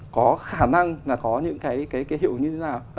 có khả năng là có những cái hiệu như thế nào